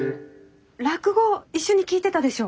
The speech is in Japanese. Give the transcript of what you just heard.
落語一緒に聴いてたでしょ。